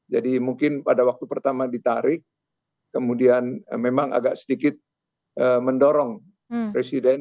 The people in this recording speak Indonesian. jadi mungkin pada waktu pertama ditarik kemudian memang agak sedikit mendorong presiden